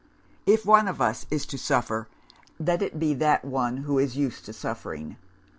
If one of us is to suffer, let it be that one who is used to suffering.